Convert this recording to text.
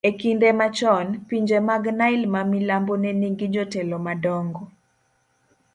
e kinde machon, pinje mag Nile mamilambo ne nigi jotelo madongo.